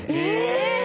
えっ！